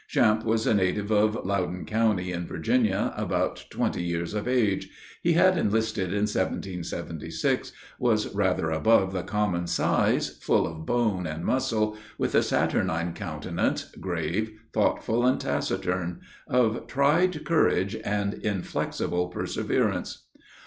Champe was a native of Loudon county, in Virginia, about twenty years of age. He had enlisted in 1776; was rather above the common size, full of bone and muscle, with a saturnine countenance, grave, thoughtful, and taciturn; of tried courage and inflexible perseverance.